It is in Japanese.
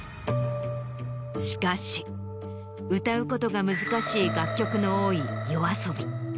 しかし歌うことが難しい楽曲の多いＹＯＡＳＯＢＩ。